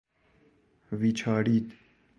ویچارید